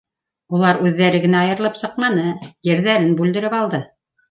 Улар үҙҙәре генә айырылып сыҡманы, ерҙәрен бүлдереп алды.